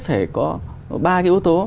phải có ba cái ưu tố